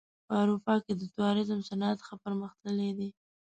په اروپا کې د توریزم صنعت ښه پرمختللی دی.